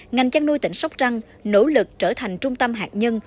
ngành chăn nuôi tỉnh sóc trăng nỗ lực trở thành trung tâm hạt nhân